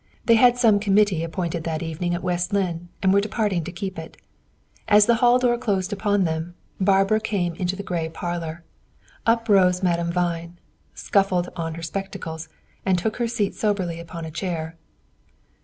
They had some committee appointed that evening at West Lynne and were departing to keep it. As the hall door closed upon them, Barbara came into the gray parlor. Up rose Madame Vine, scuffled on her spectacles, and took her seat soberly upon a chair.